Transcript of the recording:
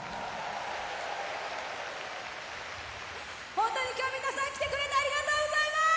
本当に今日は皆さん来てくれてありがとうございます！